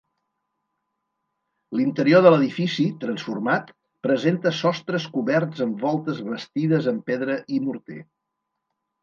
L'interior de l'edifici, transformat, presenta sostres coberts amb voltes bastides amb pedra i morter.